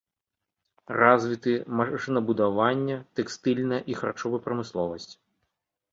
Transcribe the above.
Развіты машынабудаванне, тэкстыльная і харчовая прамысловасць.